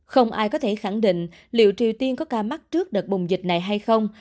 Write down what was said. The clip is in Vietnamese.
không ai có thể khẳng định liệu triều tiên có ca mắc trước đợt bùng dịch này hay không